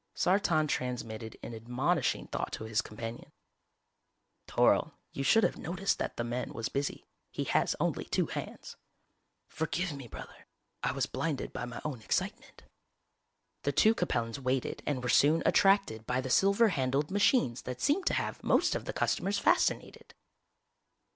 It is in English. Sartan transmitted an admonishing thought to his companion. "Toryl, you should have noticed that the man was busy. He has only two hands." "Forgive me, Brother, I was blinded by my own excitement." The two Capellans waited and were soon attracted by the silver handled machines that seemed to have most of the customers fascinated.